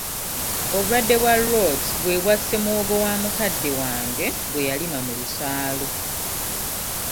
Obulwadde bwa Rot bwe bwasse muwogo wa mukadde wange gwe yalima mu lusaalu.